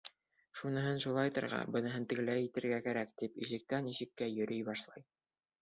Шуныһын шулайтырға, быныһын тегеләй итергә кәрәк, тип ишектән-ишеккә йөрөй башлай.